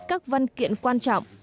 các văn kiện quan trọng